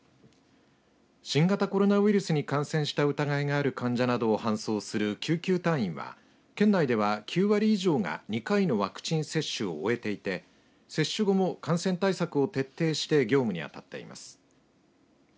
新型コロナウイルスに感染した疑いがある患者などを搬送する救急隊員は県内では９割以上が２回のワクチン接種を終えていて接種後も感染対策を徹底して業務にあたっています。